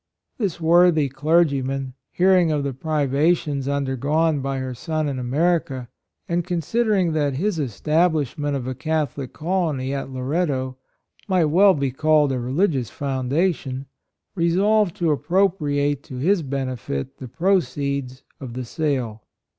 This worthy clergyman, hearing of the privations under gone by her son in America, and considering that his establishment of a Catholic colony at Loretto might well be called a religious foundation, resolved to appropriate to his benefit the proceeds of the sale.